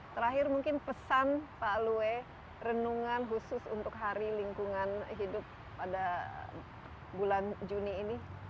terakhir mungkin pesan pak lue renungan khusus untuk hari lingkungan hidup pada bulan juni ini